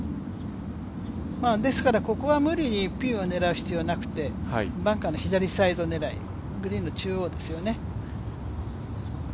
ですからここは無理にピンを狙う必要はなくてバンカーの左サイド狙い、グリーンの中央ですよね。